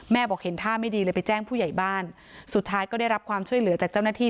บอกเห็นท่าไม่ดีเลยไปแจ้งผู้ใหญ่บ้านสุดท้ายก็ได้รับความช่วยเหลือจากเจ้าหน้าที่